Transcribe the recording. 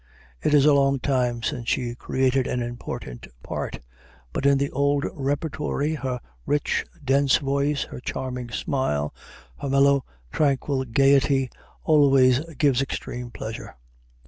It is a long time since she created an important part; but in the old repertory her rich, dense voice, her charming smile, her mellow, tranquil gayety, always give extreme pleasure.